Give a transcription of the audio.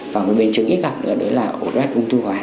và cái biên chứng ít gặp nữa đó là ổ lết vùng thu hóa